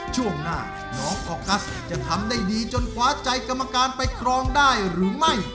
ช่วงหน้าน้องออกัสจะทำได้ดีจนคว้าใจกรรมการไปครองได้หรือไม่